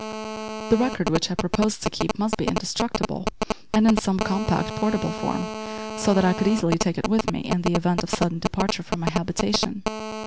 The record which I proposed to keep must be indestructible, and in some compact, portable form so that I could easily take it with me in the event of sudden departure from my habitation.